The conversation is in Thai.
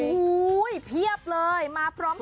โอ้โฮเปรียบเลยมาพร้อมต่อ